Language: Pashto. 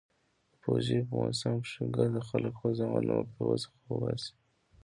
د پوجيو په موسم کښې ګرده خلك خپل زامن له مكتبو څخه اوباسي.